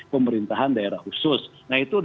pemerintahan daerah khusus nah itu